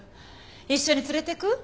一緒に連れてく？